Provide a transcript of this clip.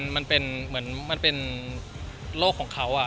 มันเป็นโลกของเขาอะ